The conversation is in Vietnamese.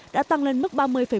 đã tăng lên mức ba mươi một